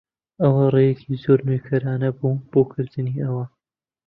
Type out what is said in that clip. ئەوە ڕێیەکی زۆر نوێکارانە بوو بۆ کردنی ئەوە.